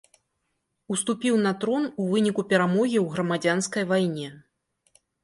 Уступіў на трон у выніку перамогі ў грамадзянскай вайне.